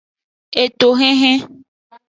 Etohenhen.